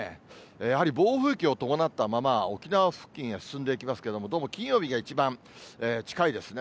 やはり暴風域を伴ったまま、沖縄付近へ進んでいきますけれども、どうも金曜日が一番近いですね。